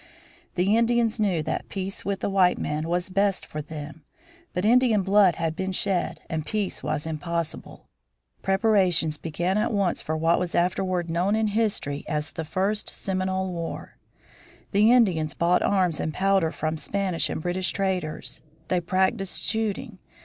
The Indians knew that peace with the white man was best for them. But Indian blood had been shed and peace was impossible. Preparations began at once for what was afterward known in history as the First Seminole War. The Indians bought arms and powder from Spanish and British traders. They practised shooting.